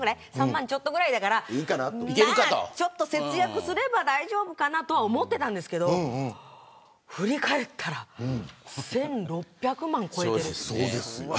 ３万ちょっとぐらいだからちょっと節約すれば大丈夫かなと思っていたんですけど振り返ったら１６００万超えてる。